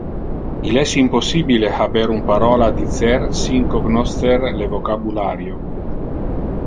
Il es impossibile haber un parola a dicer sin cognoscer le vocabulario.